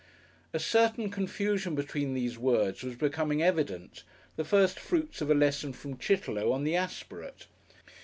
A certain confusion between these words was becoming evident, the first fruits of a lesson from Chitterlow on the aspirate.